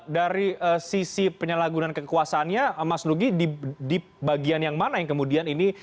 dari sisi penyalahgunaan kekuasaannya mas nugi di bagian yang mana yang kemudian ini